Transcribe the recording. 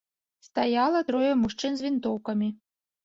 Стаяла трое мужчын з вінтоўкамі.